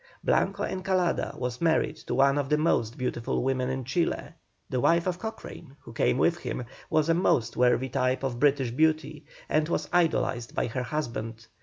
Blanco Encalada was married to one of the most beautiful women in Chile; the wife of Cochrane, who came with him, was a most worthy type of British beauty, and was idolized by her husband.